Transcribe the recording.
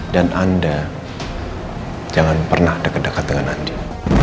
dan anda jangan pernah dekat dekat dengan andin